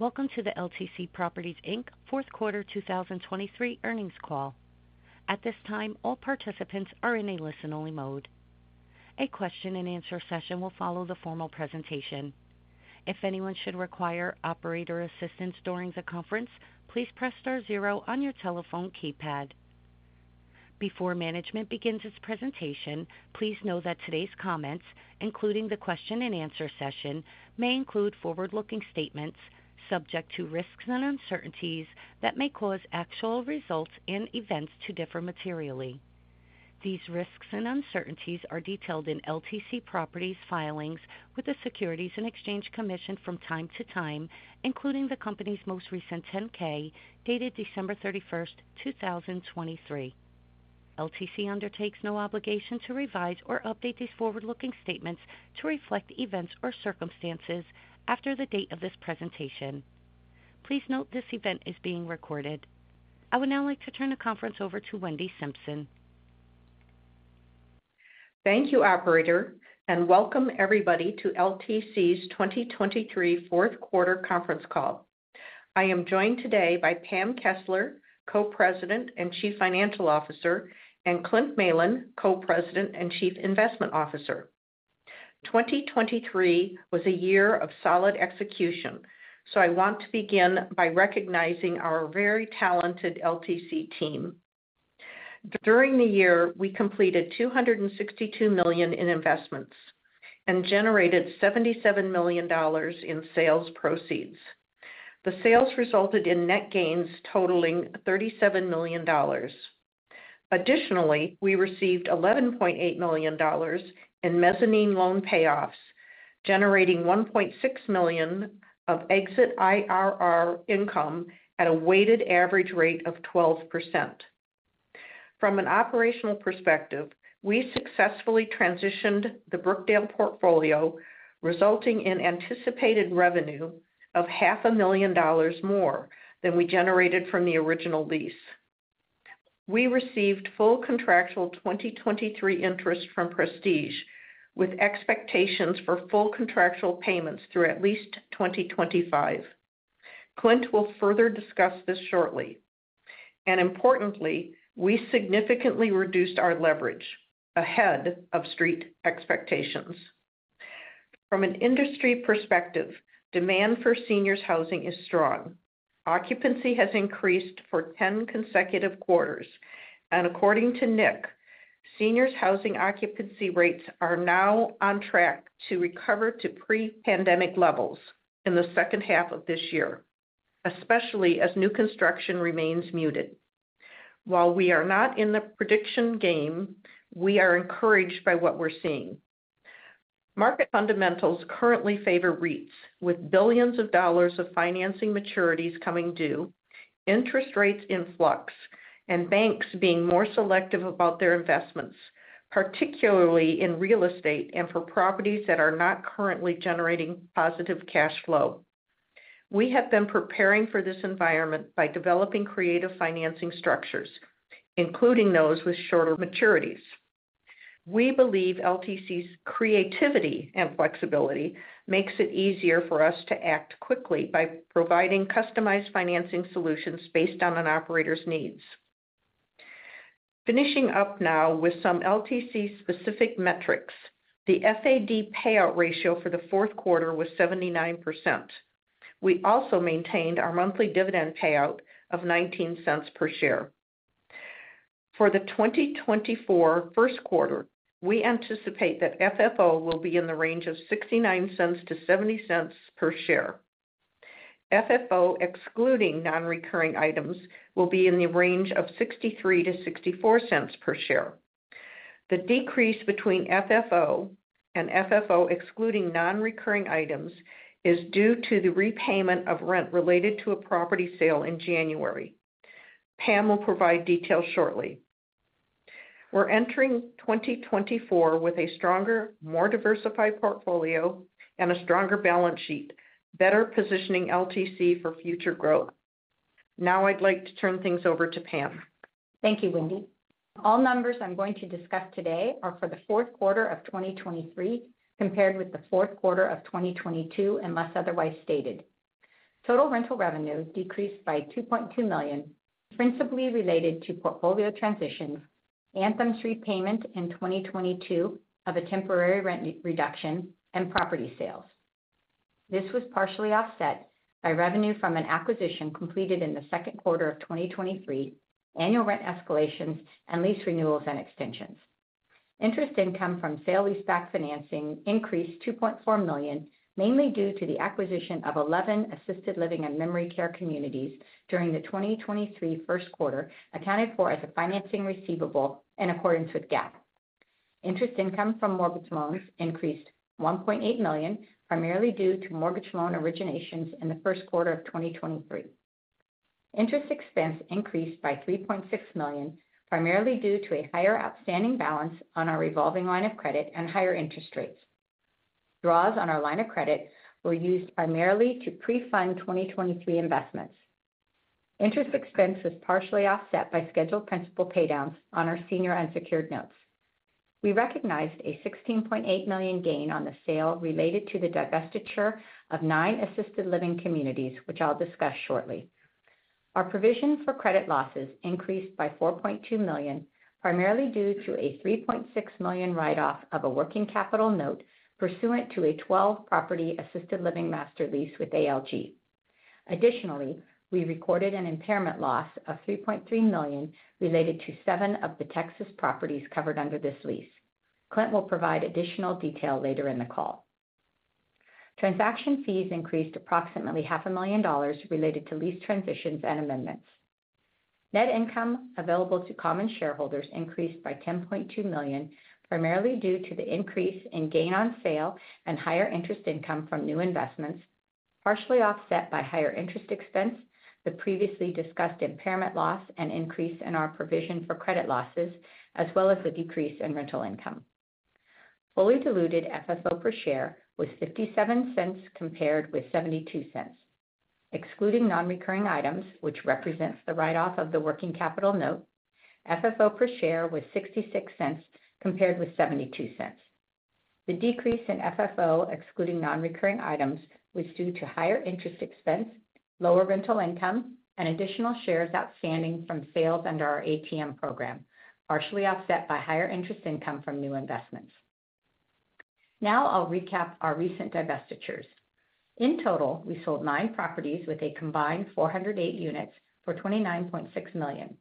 Welcome to the LTC Properties, Inc. Q4 2023 earnings call. A question and answer session will follow the formal presentation. Before management begins its presentation, please know that today's comments, including the question and answer session, may include forward-looking statements subject to risks and uncertainties that may cause actual results and events to differ materially. These risks and uncertainties are detailed in LTC Properties' filings with the Securities and Exchange Commission from time to time, including the company's most recent 10-K, dated December 31, 2023. LTC undertakes no obligation to revise or update these forward-looking statements to reflect events or circumstances after the date of this presentation. Please note this event is being recorded. I would now like to turn the conference over to Wendy Simpson. Thank you, operator, and welcome everybody to LTC's 2023 Q4 conference call. I am joined today by Pam Kessler, Co-President and Chief Financial Officer, and Clint Malin, Co-President and Chief Investment Officer. 2023 was a year of solid execution, so I want to begin by recognizing our very talented LTC team. During the year, we completed $262 million in investments and generated $77 million in sales proceeds. The sales resulted in net gains totaling $37 million. Additionally, we received $11.8 million in mezzanine loan payoffs, generating $1.6 million of exit IRR income at a weighted average rate of 12%. From an operational perspective, we successfully transitioned the Brookdale portfolio, resulting in anticipated revenue of $500,000 more than we generated from the original lease. We received full contractual 2023 interest from Prestige, with expectations for full contractual payments through at least 2025. Clint will further discuss this shortly. Importantly, we significantly reduced our leverage ahead of Street expectations. From an industry perspective, demand for seniors' housing is strong. Occupancy has increased for 10 consecutive quarters, and according to NIC, seniors' housing occupancy rates are now on track to recover to pre-pandemic levels in the H2 of this year, especially as new construction remains muted. While we are not in the prediction game, we are encouraged by what we're seeing. Market fundamentals currently favor REITs, with billions of dollars of financing maturities coming due, interest rates in flux, and banks being more selective about their investments, particularly in real estate and for properties that are not currently generating positive cash flow. We have been preparing for this environment by developing creative financing structures, including those with shorter maturities. We believe LTC's creativity and flexibility makes it easier for us to act quickly by providing customized financing solutions based on an operator's needs. Finishing up now with some LTC-specific metrics. The FAD payout ratio for the Q4 was 79%. We also maintained our monthly dividend payout of $0.19 per share. For the 2024 Q1, we anticipate that FFO will be in the range of $0.69-$0.70 per share. FFO, excluding non-recurring items, will be in the range of $0.63-$0.64 per share. The decrease between FFO and FFO, excluding non-recurring items, is due to the repayment of rent related to a property sale in January. Pam will provide details shortly. We're entering 2024 with a stronger, more diversified portfolio and a stronger balance sheet, better positioning LTC for future growth. Now I'd like to turn things over to Pam. Thank you, Wendy. All numbers I'm going to discuss today are for the Q4 of 2023, compared with the Q4 of 2022, unless otherwise stated. Total rental revenue decreased by $2.2 million, principally related to portfolio transitions, Anthem's repayment in 2022 of a temporary rent reduction, and property sales. This was partially offset by revenue from an acquisition completed in the Q2 of 2023, annual rent escalations, and lease renewals and extensions. Interest income from sale-leaseback financing increased $2.4 million, mainly due to the acquisition of 11 assisted living and memory care communities during the 2023 Q1, accounted for as a financing receivable in accordance with GAAP. Interest income from mortgage loans increased $1.8 million, primarily due to mortgage loan originations in the Q1 of 2023. Interest expense increased by $3.6 million, primarily due to a higher outstanding balance on our revolving line of credit and higher interest rates. Draws on our line of credit were used primarily to pre-fund 2023 investments. Interest expense was partially offset by scheduled principal paydowns on our senior unsecured notes. We recognized a $16.8 million gain on the sale related to the divestiture of nine assisted living communities, which I'll discuss shortly. Our provision for credit losses increased by $4.2 million, primarily due to a $3.6 million write-off of a working capital note pursuant to a 12-property assisted living master lease with ALG. Additionally, we recorded an impairment loss of $3.3 million related to seven of the Texas properties covered under this lease. Clint will provide additional detail later in the call. Transaction fees increased approximately $500,000 related to lease transitions and amendments. Net income available to common shareholders increased by $10.2 million, primarily due to the increase in gain on sale and higher interest income from new investments, partially offset by higher interest expense, the previously discussed impairment loss and increase in our provision for credit losses, as well as the decrease in rental income. Fully diluted FFO per share was $0.57, compared with $0.72. Excluding nonrecurring items, which represents the write-off of the working capital note, FFO per share was $0.66, compared with $0.72. The decrease in FFO, excluding nonrecurring items, was due to higher interest expense, lower rental income, and additional shares outstanding from sales under our ATM program, partially offset by higher interest income from new investments. Now I'll recap our recent divestitures. In total, we sold 9 properties with a combined 408 units for $29.6 million.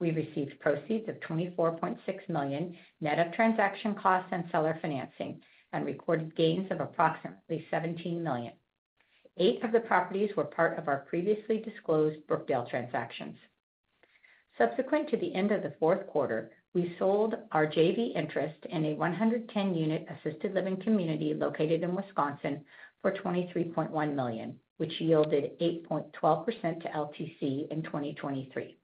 We received proceeds of $24.6 million, net of transaction costs and seller financing, and recorded gains of approximately $17 million. Eight of the properties were part of our previously disclosed Brookdale transactions. Subsequent to the end of the Q4, we sold our JV interest in a 110-unit assisted living community located in Wisconsin for $23.1 million, which yielded 8.12% to LTC in 2023.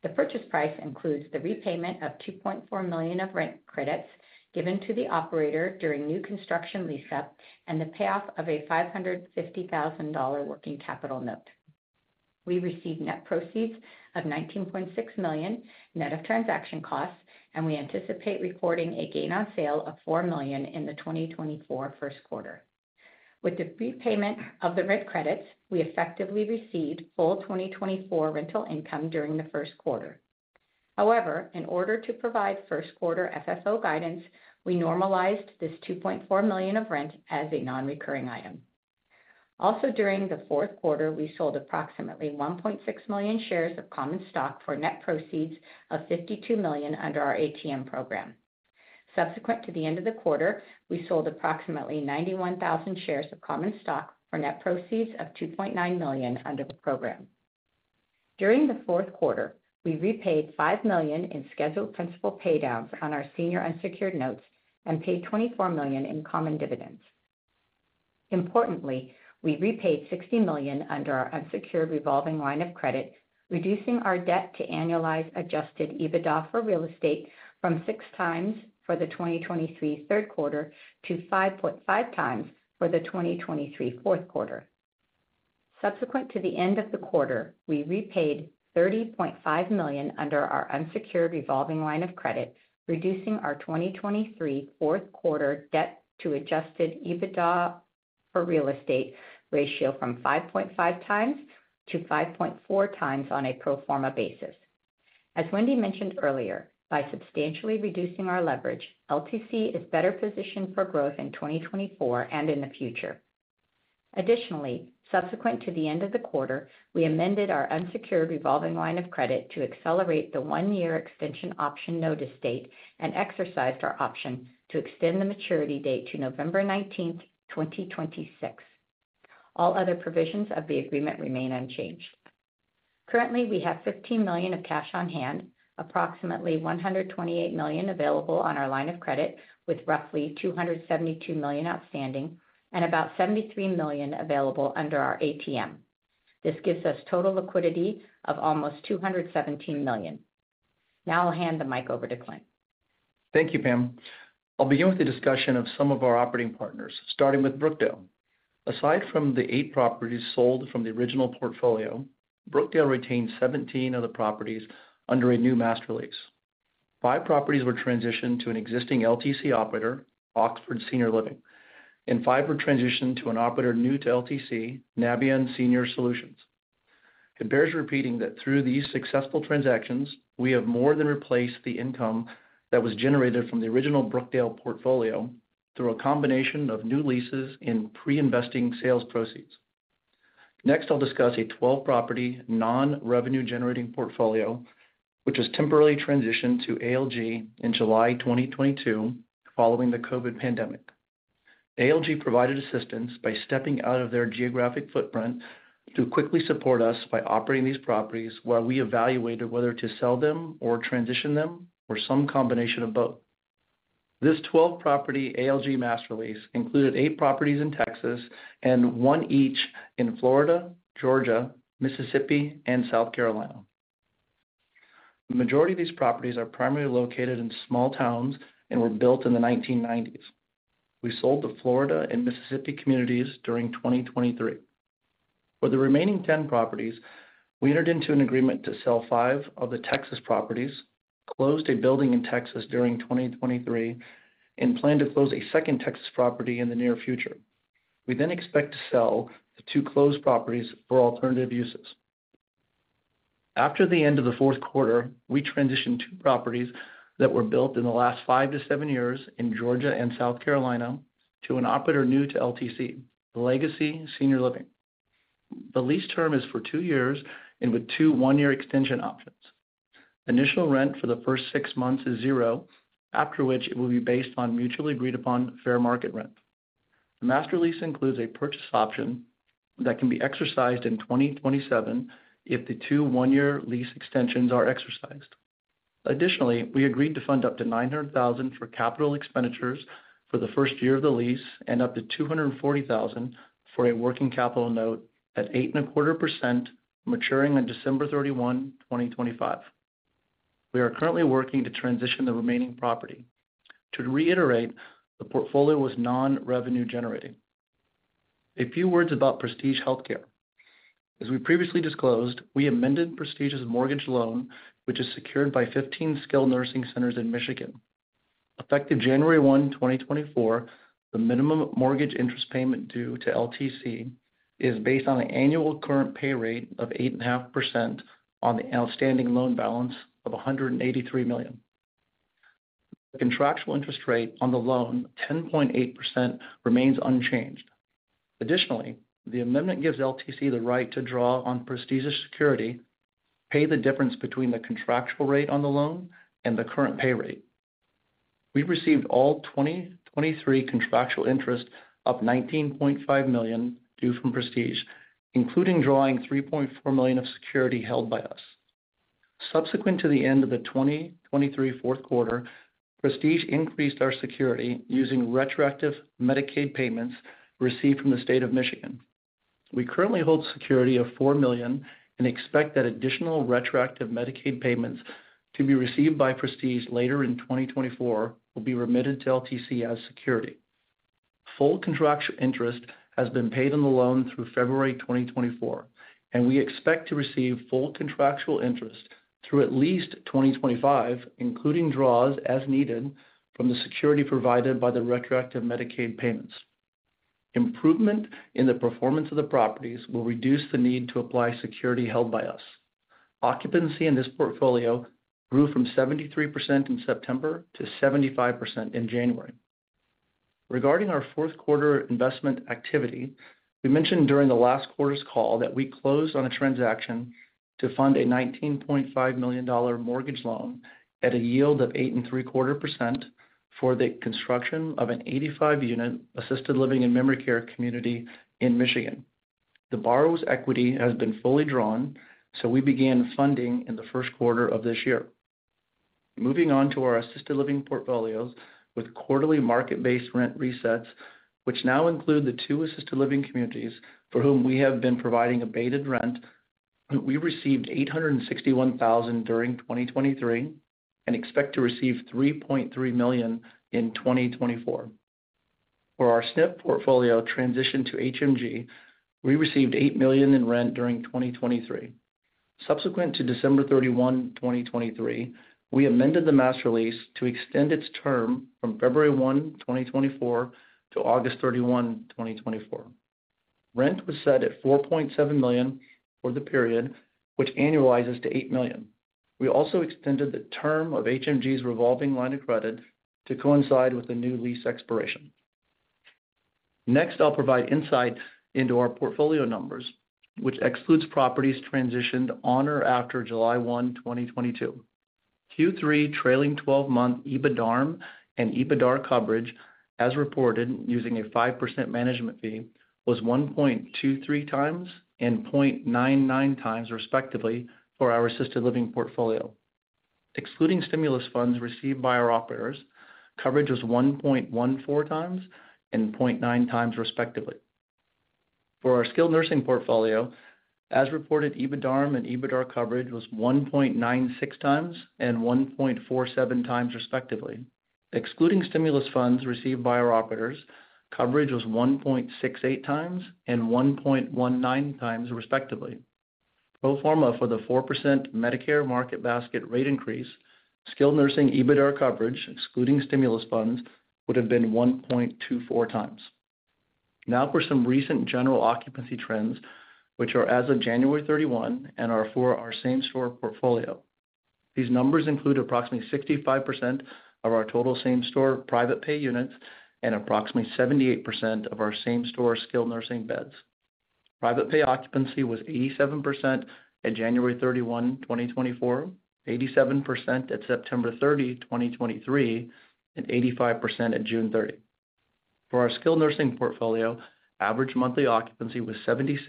The purchase price includes the repayment of $2.4 million of rent credits given to the operator during new construction lease-up and the payoff of a $550,000 working capital note. We received net proceeds of $19.6 million, net of transaction costs, and we anticipate recording a gain on sale of $4 million in the 2024 Q1. With the prepayment of the rent credits, we effectively received full 2024 rental income during the Q1. However, in order to provide Q1 FFO guidance, we normalized this $2.4 million of rent as a nonrecurring item. Also, during the Q4, we sold approximately 1.6 million shares of common stock for net proceeds of $52 million under our ATM program. Subsequent to the end of the quarter, we sold approximately 91,000 shares of common stock for net proceeds of $2.9 million under the program. During the Q4, we repaid $5 million in scheduled principal paydowns on our senior unsecured notes and paid $24 million in common dividends. Importantly, we repaid $60 million under our unsecured revolving line of credit, reducing our debt to annualized adjusted EBITDA for real estate from 6x for the 2023 Q3 to 5.5x for the 2023 Q4. Subsequent to the end of the quarter, we repaid $30.5 million under our unsecured revolving line of credit, reducing our 2023 Q4 debt to adjusted EBITDA for real estate ratio from 5.5x-5.4x on a pro forma basis. As Wendy mentioned earlier, by substantially reducing our leverage, LTC is better positioned for growth in 2024 and in the future. Additionally, subsequent to the end of the quarter, we amended our unsecured revolving line of credit to accelerate the 1-year extension option notice date and exercised our option to extend the maturity date to November 19, 2026. All other provisions of the agreement remain unchanged. Currently, we have $15 million of cash on hand, approximately $128 million available on our line of credit, with roughly $272 million outstanding, and about $73 million available under our ATM. This gives us total liquidity of almost $217 million. Now I'll hand the mic over to Clint. Thank you, Pam. I'll begin with the discussion of some of our operating partners, starting with Brookdale. Aside from the 8 properties sold from the original portfolio, Brookdale retained 17 of the properties under a new master lease. Five properties were transitioned to an existing LTC operator, Oxford Senior Living, and five were transitioned to an operator new to LTC, Navion Senior Solutions. It bears repeating that through these successful transactions, we have more than replaced the income that was generated from the original Brookdale portfolio through a combination of new leases and pre-investing sales proceeds. Next, I'll discuss a 12-property, non-revenue-generating portfolio, which was temporarily transitioned to ALG in July 2022 following the COVID pandemic. ALG provided assistance by stepping out of their geographic footprint to quickly support us by operating these properties while we evaluated whether to sell them or transition them, or some combination of both. This 12-property ALG master lease included eight properties in Texas and one each in Florida, Georgia, Mississippi, and South Carolina. The majority of these properties are primarily located in small towns and were built in the 1990s. We sold the Florida and Mississippi communities during 2023. For the remaining 10 properties, we entered into an agreement to sell five of the Texas properties, closed a building in Texas during 2023, and plan to close a second Texas property in the near future. We then expect to sell the two closed properties for alternative uses. After the end of the Q4, we transitioned two properties that were built in the last 5-7 years in Georgia and South Carolina to an operator new to LTC, Legacy Senior Living. The lease term is for two years and with two one-year extension options. Initial rent for the first six months is 0, after which it will be based on mutually agreed upon fair market rent. The master lease includes a purchase option that can be exercised in 2027 if the two one-year lease extensions are exercised. Additionally, we agreed to fund up to $900,000 for capital expenditures for the first year of the lease and up to $240,000 for a working capital note at 8.25%, maturing on December 31, 2025. We are currently working to transition the remaining property. To reiterate, the portfolio was non-revenue generating. A few words about Prestige Healthcare. As we previously disclosed, we amended Prestige's mortgage loan, which is secured by 15 skilled nursing centers in Michigan. Effective January 1, 2024, the minimum mortgage interest payment due to LTC is based on an annual current pay rate of 8.5% on the outstanding loan balance of $183 million. The contractual interest rate on the loan, 10.8%, remains unchanged. Additionally, the amendment gives LTC the right to draw on Prestige's security, pay the difference between the contractual rate on the loan and the current pay rate. We received all 2023 contractual interest of $19.5 million due from Prestige, including drawing $3.4 million of security held by us. Subsequent to the end of the 2023 Q4, Prestige increased our security using retroactive Medicaid payments received from the state of Michigan. We currently hold security of $4 million and expect that additional retroactive Medicaid payments to be received by Prestige later in 2024 will be remitted to LTC as security. Full contractual interest has been paid on the loan through February 2024, and we expect to receive full contractual interest through at least 2025, including draws as needed from the security provided by the retroactive Medicaid payments. Improvement in the performance of the properties will reduce the need to apply security held by us. Occupancy in this portfolio grew from 73% in September to 75% in January. Regarding our Q4 investment activity, we mentioned during the last quarter's call that we closed on a transaction to fund a $19.5 million mortgage loan at a yield of 8.75% for the construction of an 85-unit assisted living and memory care community in Michigan. The borrower's equity has been fully drawn, so we began funding in the Q1 of this year. Moving on to our assisted living portfolios with quarterly market-based rent resets, which now include the two assisted living communities for whom we have been providing abated rent. We received $861,000 during 2023 and expect to receive $3.3 million in 2024. For our SIP portfolio transition to HMG, we received $8 million in rent during 2023. Subsequent to December 31, 2023, we amended the master lease to extend its term from February 1, 2024 to August 31, 2024. Rent was set at $4.7 million for the period, which annualizes to $8 million. We also extended the term of HMG's revolving line of credit to coincide with the new lease expiration. Next, I'll provide insight into our portfolio numbers, which excludes properties transitioned on or after July 1, 2022. Q3 trailing twelve-month EBITDARM and EBITDAR coverage, as reported using a 5% management fee, was 1.23x and 0.99x, respectively, for our assisted living portfolio. Excluding stimulus funds received by our operators, coverage was 1.14x and 0.9x, respectively. For our skilled nursing portfolio, as reported, EBITDARM and EBITDAR coverage was 1.96x and 1.47x, respectively. Excluding stimulus funds received by our operators, coverage was 1.68x and 1.19x, respectively. Pro forma for the 4% Medicare market basket rate increase, skilled nursing EBITDAR coverage, excluding stimulus funds, would have been 1.24x. Now for some recent general occupancy trends, which are as of January 31 and are for our same store portfolio. These numbers include approximately 65% of our total same store private pay units and approximately 78% of our same store skilled nursing beds. Private pay occupancy was 87% at January 31, 2024, 87% at September 30, 2023, and 85% at June 30. For our skilled nursing portfolio, average monthly occupancy was 76%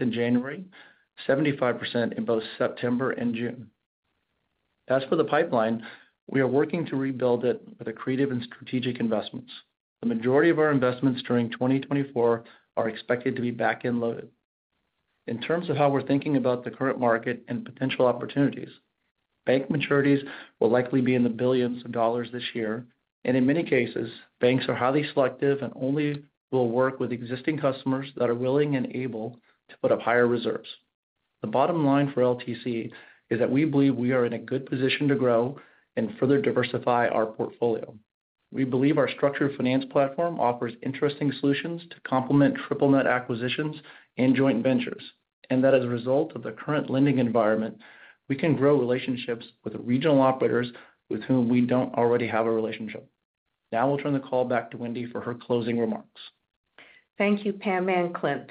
in January, 75% in both September and June. As for the pipeline, we are working to rebuild it with creative and strategic investments. The majority of our investments during 2024 are expected to be back-end loaded. In terms of how we're thinking about the current market and potential opportunities, bank maturities will likely be in the billions of dollars this year, and in many cases, banks are highly selective and only will work with existing customers that are willing and able to put up higher reserves. The bottom line for LTC is that we believe we are in a good position to grow and further diversify our portfolio. We believe our structured finance platform offers interesting solutions to complement triple net acquisitions and joint ventures, and that as a result of the current lending environment, we can grow relationships with the regional operators with whom we don't already have a relationship. Now I'll turn the call back to Wendy for her closing remarks. Thank you, Pam and Clint.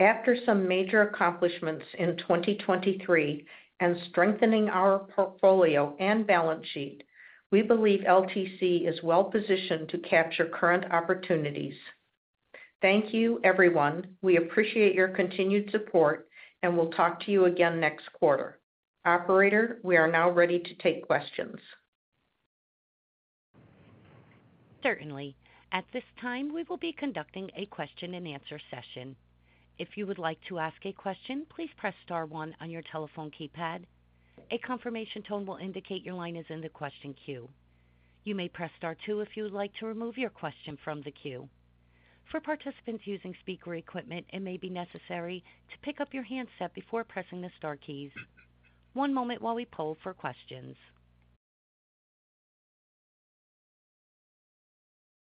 After some major accomplishments in 2023 and strengthening our portfolio and balance sheet, we believe LTC is well positioned to capture current opportunities. Thank you, everyone. We appreciate your continued support, and we'll talk to you again next quarter. Operator, we are now ready to take questions. Certainly. At this time, we will be conducting a question-and-answer session. If you would like to ask a question, please press star one on your telephone keypad. A confirmation tone will indicate your line is in the question queue. You may press star two if you would like to remove your question from the queue. For participants using speaker equipment, it may be necessary to pick up your handset before pressing the star keys. One moment while we poll for questions.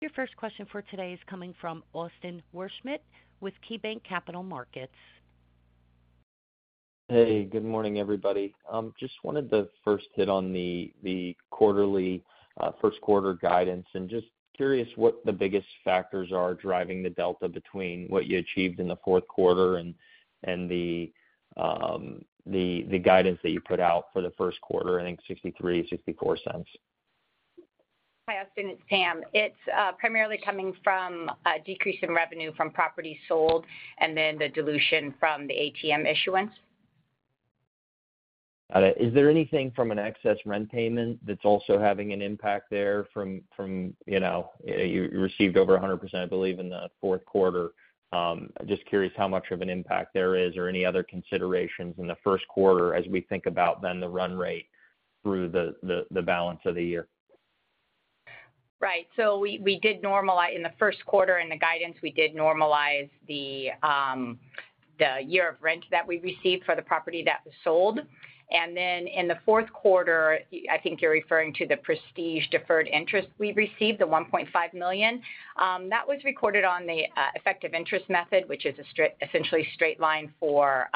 Your first question for today is coming from Austin Wurschmidt with KeyBanc Capital Markets. Hey, good morning, everybody. Just wanted to first hit on the quarterly Q1 guidance, and just curious what the biggest factors are driving the delta between what you achieved in the Q4 and the guidance that you put out for the Q1, I think $0.63-$0.64? Hi, Austin, it's Pam. It's primarily coming from a decrease in revenue from properties sold and then the dilution from the ATM issuance. Is there anything from an excess rent payment that's also having an impact there from, you know, you received over 100%, I believe, in the Q4? Just curious how much of an impact there is or any other considerations in the Q1 as we think about then the run rate through the balance of the year. Right. So we, we did normalize in the Q1, in the guidance, we did normalize the, the year of rent that we received for the property that was sold. And then in the Q4, I think you're referring to the Prestige deferred interest we received, the $1.5 million. That was recorded on the, effective interest method, which is a straight, essentially a straight line for,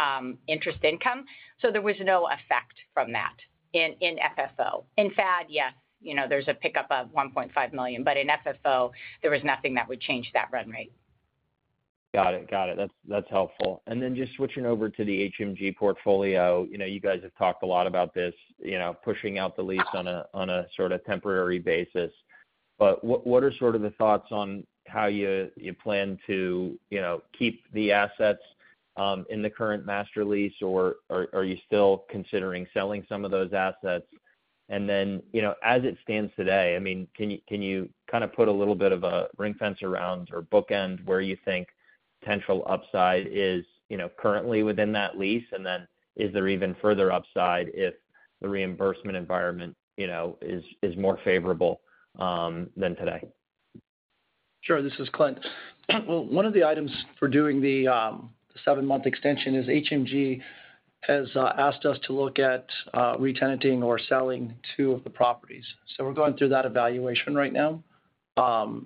interest income. So there was no effect from that in, in FFO. In FAD, yes, you know, there's a pickup of $1.5 million, but in FFO, there was nothing that would change that run rate. Got it. Got it. That's helpful. And then just switching over to the HMG portfolio. You know, you guys have talked a lot about this, you know, pushing out the lease on a sort of temporary basis. But what are sort of the thoughts on how you plan to, you know, keep the assets in the current master lease, or are you still considering selling some of those assets? And then, you know, as it stands today, I mean, can you kind of put a little bit of a ring fence around or bookend where you think potential upside is, you know, currently within that lease? And then is there even further upside if the reimbursement environment, you know, is more favorable than today? Sure. This is Clint. Well, one of the items for doing the seven-month extension is HMG has asked us to look at retenanting or selling two of the properties. So we're going through that evaluation right now,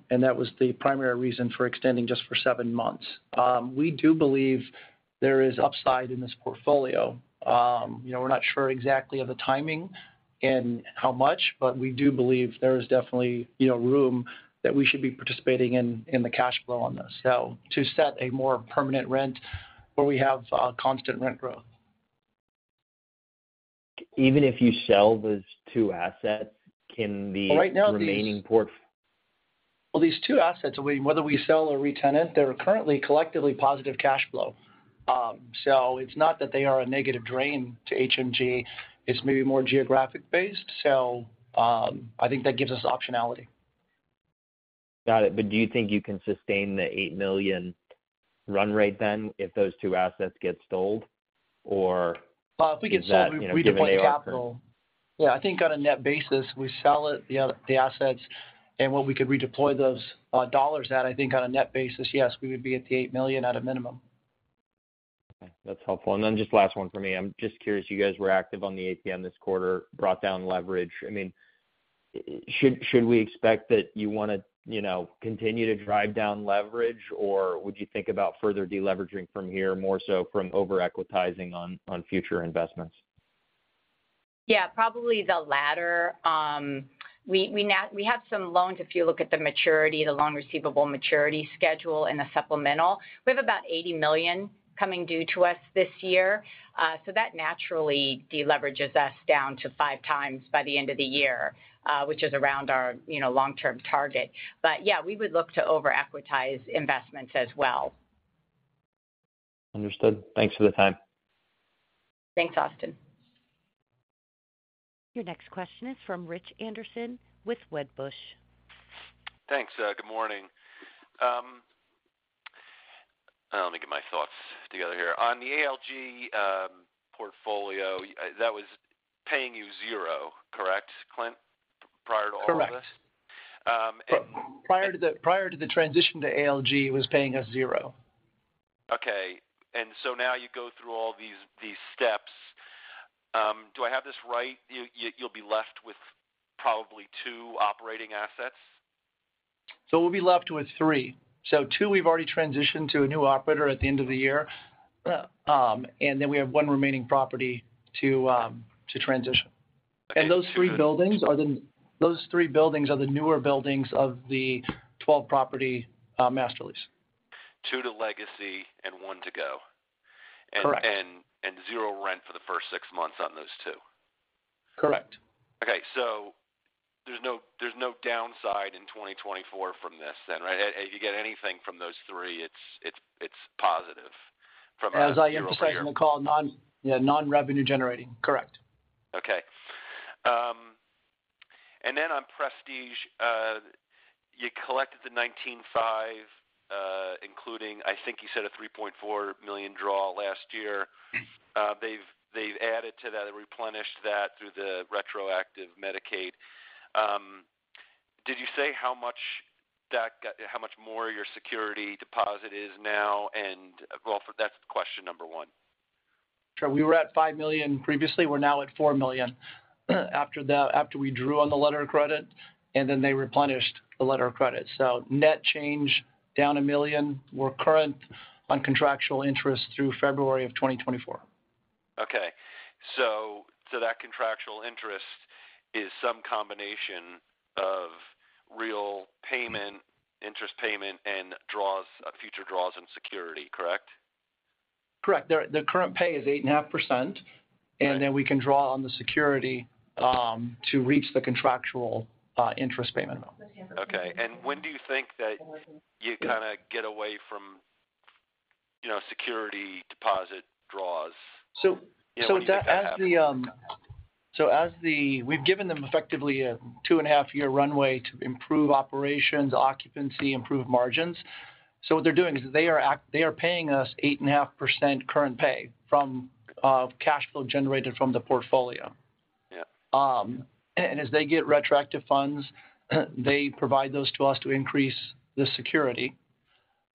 and that was the primary reason for extending just for seven months. We do believe there is upside in this portfolio. You know, we're not sure exactly of the timing and how much, but we do believe there is definitely, you know, room that we should be participating in the cash flow on this. So to set a more permanent rent where we have constant rent growth. Even if you sell those 2 assets, can the- Well, right now these- -remaining port- Well, these two assets, whether we sell or retenant, they're currently collectively positive cash flow. So, it's not that they are a negative drain to HMG, it's maybe more geographic based. So, I think that gives us optionality. Got it. But do you think you can sustain the $8 million run rate then, if those two assets get sold, or- I think if so- Given that, you know, given the capital? Yeah, I think on a net basis, we sell it, the assets and what we could redeploy those dollars at, I think on a net basis, yes, we would be at the $8 million at a minimum. Okay, that's helpful. And then just last one for me. I'm just curious, you guys were active on the ATM this quarter, brought down leverage. I mean, should we expect that you want to, you know, continue to drive down leverage, or would you think about further deleveraging from here, more so from over-equitizing on future investments? Yeah, probably the latter. We have some loans if you look at the maturity, the loan receivable maturity schedule, and the supplemental. We have about $80 million coming due to us this year, so that naturally deleverages us down to 5x by the end of the year, which is around our, you know, long-term target. But yeah, we would look to over-equitize investments as well. Understood. Thanks for the time. Thanks, Austin. ... Your next question is from Rich Anderson with Wedbush. Thanks, good morning. Let me get my thoughts together here. On the ALG portfolio, that was paying you zero, correct, Clint, prior to all this? Correct. Prior to the transition to ALG, it was paying us zero. Okay. And so now you go through all these, these steps. Do I have this right? You, you'll be left with probably two operating assets? We'll be left with three. Two, we've already transitioned to a new operator at the end of the year, and then we have one remaining property to transition. Those three buildings are the newer buildings of the 12-property master lease. Two to Legacy and one to go? Correct. zero rent for the first six months on those two. Correct. Okay, so there's no downside in 2024 from this then, right? If you get anything from those three, it's positive from a zero year. As I emphasized on the call, non-revenue generating. Correct. Okay. And then on Prestige, you collected the $19.5 million, including, I think you said a $3.4 million draw last year. They've added to that and replenished that through the retroactive Medicaid. Did you say how much that got, how much more your security deposit is now? And, well, that's question number 1. Sure. We were at $5 million previously, we're now at $4 million, after we drew on the letter of credit, and then they replenished the letter of credit. So net change, down $1 million. We're current on contractual interest through February 2024. Okay. So, so that contractual interest is some combination of real payment, interest payment, and draws, future draws and security, correct? Correct. The current pay is 8.5%, and then we can draw on the security to reach the contractual interest payment amount. Okay. And when do you think that you kind of get away from security deposit draws? We've given them effectively a 2.5-year runway to improve operations, occupancy, improve margins. So what they're doing is they are paying us 8.5% current pay from cash flow generated from the portfolio. Yeah. And as they get retroactive funds, they provide those to us to increase the security.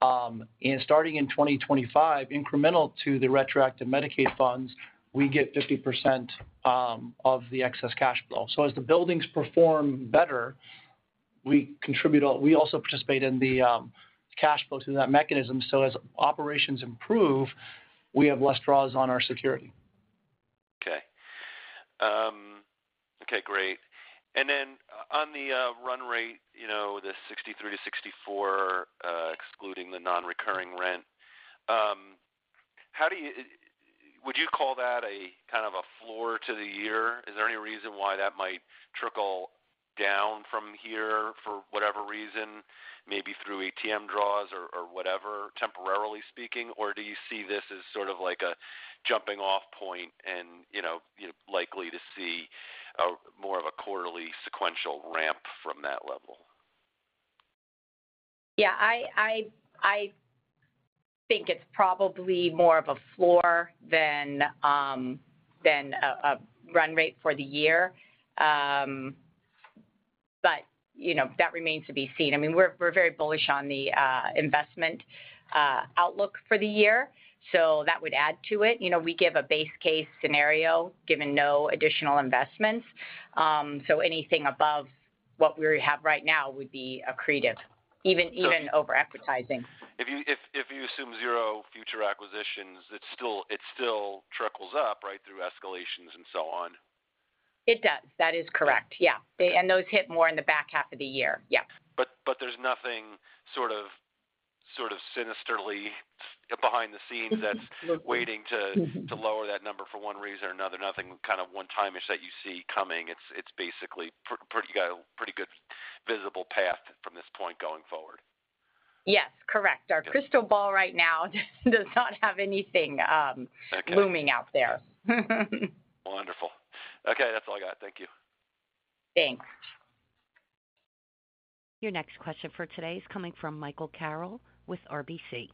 And starting in 2025, incremental to the retroactive Medicaid funds, we get 50% of the excess cash flow. So as the buildings perform better, we also participate in the cash flow through that mechanism. So as operations improve, we have less draws on our security. Okay. Okay, great. And then on the run rate, you know, the 63-64, excluding the non-recurring rent, how do you-- Would you call that a kind of a floor to the year? Is there any reason why that might trickle down from here for whatever reason, maybe through ATM draws or, or whatever, temporarily speaking? Or do you see this as sort of like a jumping-off point and, you know, likely to see more of a quarterly sequential ramp from that level? Yeah, I think it's probably more of a floor than a run rate for the year. But, you know, that remains to be seen. I mean, we're very bullish on the investment outlook for the year, so that would add to it. You know, we give a base case scenario, given no additional investments. So anything above what we have right now would be accretive, even over advertising. If you assume zero future acquisitions, it still trickles up, right, through escalations and so on. It does. That is correct, yeah. And those hit more in the back half of the year. Yep. But there's nothing sort of sinisterly behind the scenes that's waiting to lower that number for one reason or another. Nothing kind of one-timish that you see coming. It's basically pretty good visible path from this point going forward. Yes, correct. Our crystal ball right now does not have anything, blooming out there. Wonderful. Okay, that's all I got. Thank you. Thanks. Your next question for today is coming from Michael Carroll with RBC.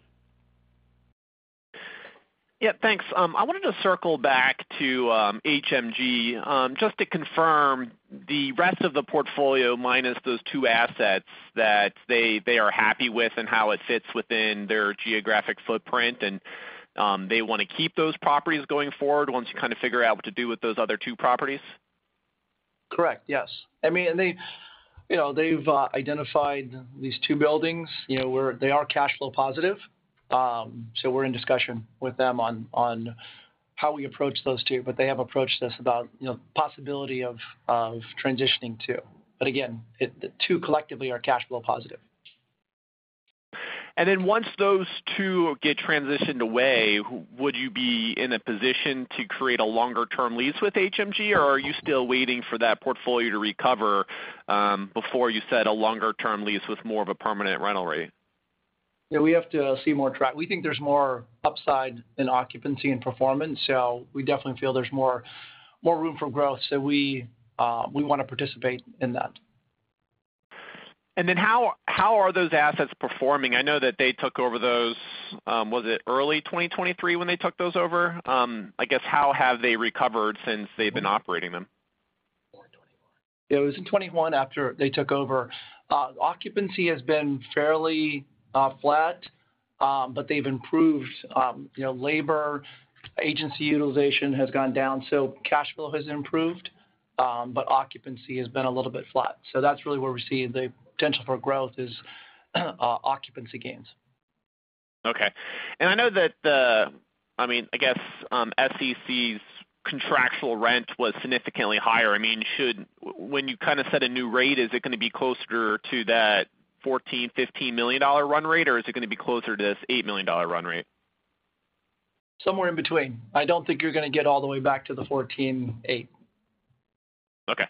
Yeah, thanks. I wanted to circle back to HMG, just to confirm the rest of the portfolio, minus those two assets that they are happy with and how it fits within their geographic footprint, and they want to keep those properties going forward once you kind of figure out what to do with those other two properties. Correct. Yes. I mean, and they, you know, they've identified these two buildings, you know, where they are cash flow positive. So we're in discussion with them on how we approach those two, but they have approached us about, you know, possibility of transitioning two. But again, the two collectively are cash flow positive. And then once those two get transitioned away, would you be in a position to create a longer-term lease with HMG, or are you still waiting for that portfolio to recover, before you set a longer-term lease with more of a permanent rental rate?... Yeah, we have to see more track. We think there's more upside in occupancy and performance, so we definitely feel there's more, more room for growth, so we, we wanna participate in that. And then how are those assets performing? I know that they took over those. Was it early 2023 when they took those over? I guess, how have they recovered since they've been operating them? It was in 2021 after they took over. Occupancy has been fairly flat, but they've improved, you know, labor agency utilization has gone down, so cash flow has improved, but occupancy has been a little bit flat. So that's really where we're seeing the potential for growth is occupancy gains. Okay. I know that, I mean, I guess, SEC's contractual rent was significantly higher. I mean, should, when you kind of set a new rate, is it gonna be closer to that $14-$15 million run rate, or is it gonna be closer to this $8 million run rate? Somewhere in between. I don't think you're gonna get all the way back to the 14.8. Okay.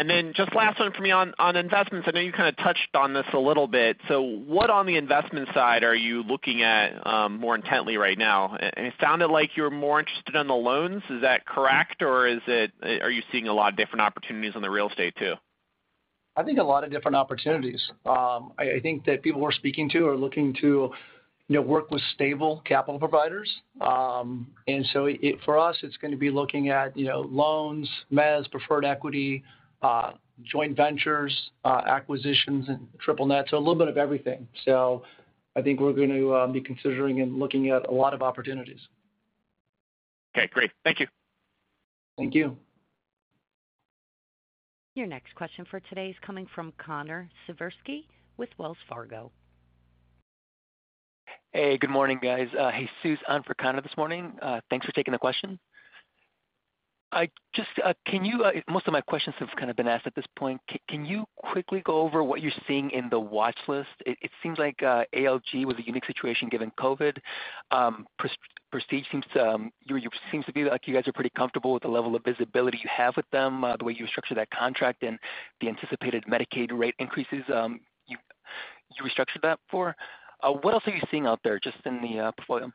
And then just last one for me on, on investments, I know you kind of touched on this a little bit. So what on the investment side are you looking at more intently right now? It sounded like you were more interested in the loans. Is that correct, or is it, are you seeing a lot of different opportunities on the real estate, too? I think a lot of different opportunities. I think that people we're speaking to are looking to, you know, work with stable capital providers. And so it, for us, it's going to be looking at, you know, loans, mezz, preferred equity, joint ventures, acquisitions, and triple net, so a little bit of everything. So I think we're going to be considering and looking at a lot of opportunities. Okay, great. Thank you. Thank you. Your next question for today is coming from Connor Siversky with Wells Fargo. Hey, good morning, guys. Jesus on for Connor this morning. Thanks for taking the question. I just, most of my questions have kind of been asked at this point. Can you quickly go over what you're seeing in the watch list? It seems like ALG was a unique situation given COVID. Prestige seems to, you, you seems to be like you guys are pretty comfortable with the level of visibility you have with them, the way you structured that contract and the anticipated Medicaid rate increases, you restructured that for. What else are you seeing out there just in the portfolio?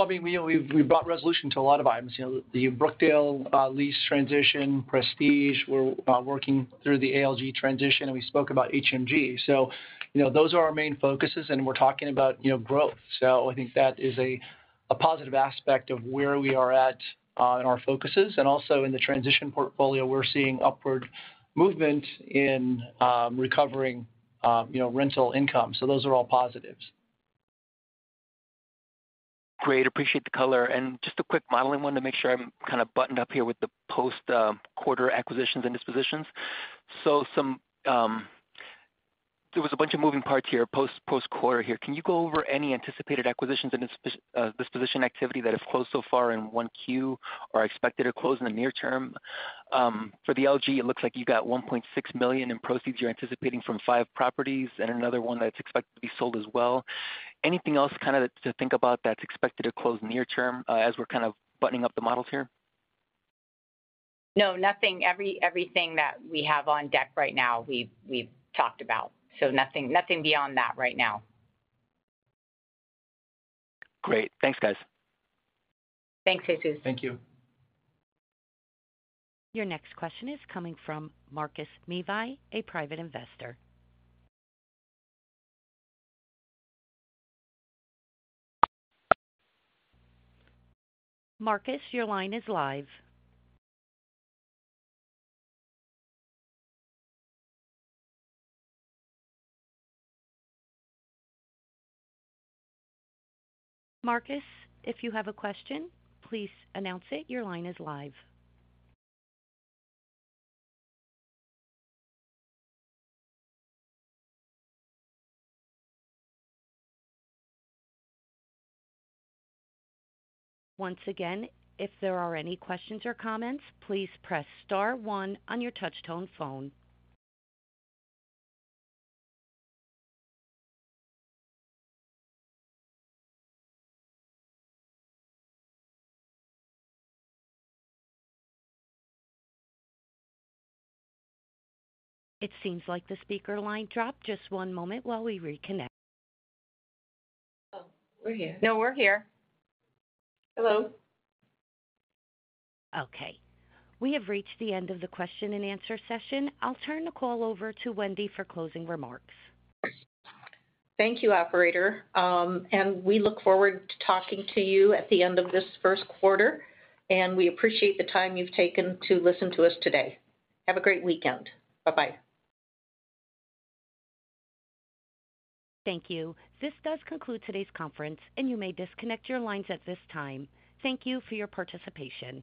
I mean, we've brought resolution to a lot of items. You know, the Brookdale lease transition, Prestige, we're working through the ALG transition, and we spoke about HMG. So, you know, those are our main focuses, and we're talking about, you know, growth. So I think that is a positive aspect of where we are at in our focuses. And also in the transition portfolio, we're seeing upward movement in recovering, you know, rental income. So those are all positives. Great. Appreciate the color. Just a quick modeling, wanted to make sure I'm kind of buttoned up here with the post-quarter acquisitions and dispositions. So there was a bunch of moving parts here, post-quarter here. Can you go over any anticipated acquisitions and disposition activity that has closed so far in 1Q or are expected to close in the near term? For the ALG, it looks like you got $1.6 million in proceeds you're anticipating from five properties and another one that's expected to be sold as well. Anything else kind of to think about that's expected to close near term, as we're kind of buttoning up the models here? No, nothing. Everything that we have on deck right now, we've talked about. So nothing, nothing beyond that right now. Great. Thanks, guys. Thanks, Jesus. Thank you. Your next question is coming from Marcus Mevi, a private investor. Marcus, your line is live. Marcus, if you have a question, please announce it. Oh, we're here. No, we're here. Hello? Okay, we have reached the end of the question and answer session. I'll turn the call over to Wendy for closing remarks. Thank you, operator, and we look forward to talking to you at the end of this Q1, and we appreciate the time you've taken to listen to us today. Have a great weekend. Bye-bye. Thank you. This does conclude today's conference, and you may disconnect your lines at this time. Thank you for your participation.